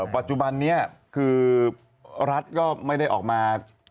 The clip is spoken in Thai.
ปัจจุบันนี้คือรัฐก็ไม่ได้ออกมา